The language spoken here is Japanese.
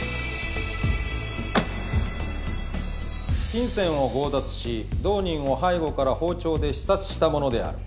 金銭を強奪し同人を背後から包丁で刺殺したものである。